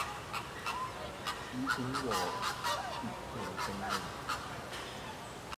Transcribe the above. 只管和別人拼命